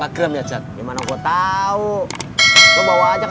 tuh gak ada yang liat mbak